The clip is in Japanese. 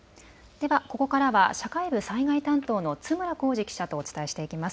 ではここ、からは社会部災害担当の津村浩司記者とお伝えしていきます。